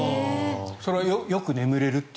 それはよく眠れるっていう。